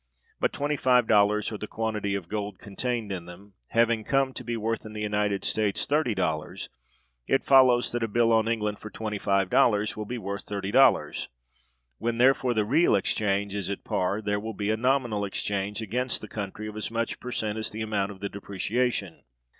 But $25, or the quantity of gold contained in them, having come to be worth in the United States $30, it follows that a bill on England for $25 will be worth $30. When, therefore, the real exchange is at par, there will be a nominal exchange against the country of as much per cent as the amount of the depreciation.